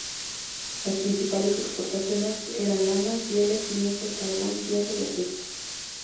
Las principales exportaciones eran lana, pieles, lienzos, carbón, hierro y aceite.